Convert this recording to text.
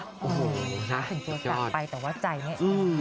โอ้โฮนะยอดค่ะคุณผู้ชมจากไปแต่ว่าใจนี่